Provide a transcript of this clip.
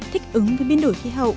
thích ứng với biến đổi khí hậu